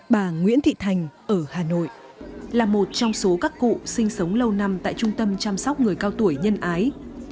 bà nguyễn thị thành ở hà nội là một trong số các cụ sinh sống lâu năm tại trung tâm chăm sóc người cao tuổi nhân ái